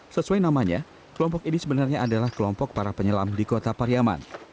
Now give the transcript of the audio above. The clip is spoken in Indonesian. sesuai namanya kelompok ini sebenarnya adalah kelompok para penyelam di kota pariaman